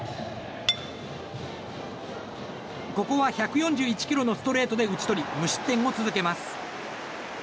ここは１４１キロのストレートで打ち取り無失点を続けます。